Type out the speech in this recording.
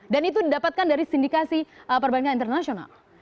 itu didapatkan dari sindikasi perbankan internasional